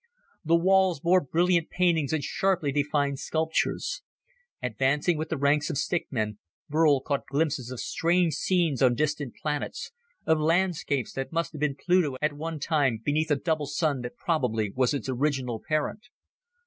The walls bore brilliant paintings and sharply defined sculptures. Advancing with the ranks of stick men, Burl caught glimpses of strange scenes on distant planets, of landscapes that must have been Pluto at one time, beneath a double sun that probably was its original parent.